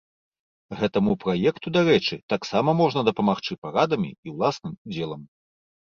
Гэтаму праекту, дарэчы, таксама можна дапамагчы парадамі і ўласным удзелам.